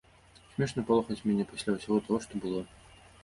Смешна палохаць мяне, пасля ўсяго таго, што было.